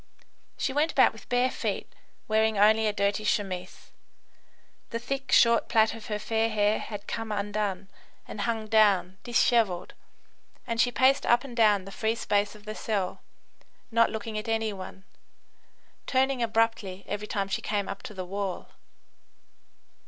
She went about with bare feet, wearing only a dirty chemise. The thick, short plait of her fair hair had come undone and hung down dishevelled, and she paced up and down the free space of the cell, not looking at any one, turning abruptly every time she came up to the wall.